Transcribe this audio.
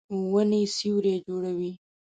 ونې سیوری جوړوي.